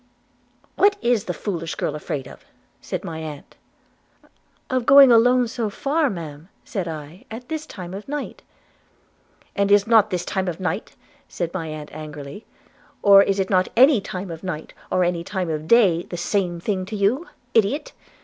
'What is the foolish girl afraid of?' said my aunt. 'Of going alone so far, Ma'am,' said I, 'at this time of night.' 'And is not this time of night,' said my aunt angrily, 'or is not any time of night, or any time of day, the same thing to you? Idiot!